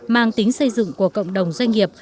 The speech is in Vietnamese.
mang tính xây dựng của cộng đồng doanh nghiệp